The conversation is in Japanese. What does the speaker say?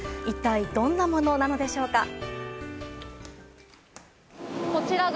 一体どんなものなんでしょうか。